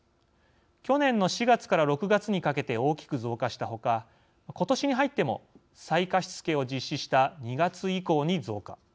去年の４月から６月にかけて大きく増加したほかことしに入っても再貸付を実施した２月以降に増加。